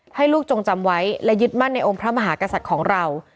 ให้ลูกจงจำไว้และยึดมั่นในองค์พระมหากษัตริย์ของเรา